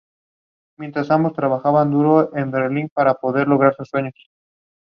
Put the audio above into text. Routine maintenance work consumed regular quantities of coppice wood each year.